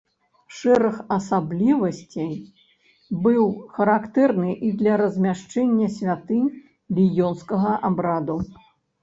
Шэраг асаблівасцей быў характэрны і для размяшчэння святынь ліёнскага абраду.